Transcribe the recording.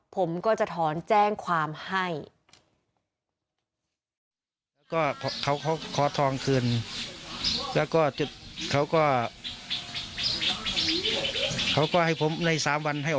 ผมก็จะถอนแจ้งความให้